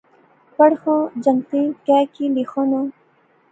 پڑھ خاں، جنگتے کیاکہیہ لیخاناں